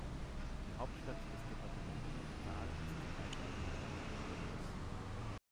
Die Hauptstadt des Departamento Capital ist die gleichnamige Stadt Corrientes.